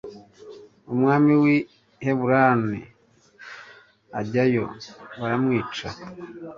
umwami w i heburoni ajyayo baramwica